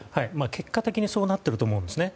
結果的にそうなっていると思いますね。